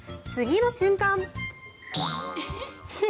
次の瞬間。